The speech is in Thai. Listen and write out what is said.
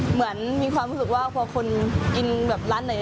เหมือนมีความรู้สึกว่าพอคนกินแบบร้านไหน